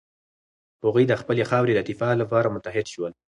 هغوی د خپلې خاورې د دفاع لپاره متحد شول.